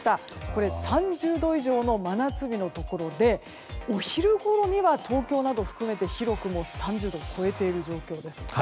これ、３０度以上の真夏日のところでお昼ごろには東京など含めて広く３０度を超えている状況です。